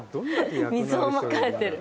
水をまかれてる。